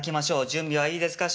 準備はいいですか？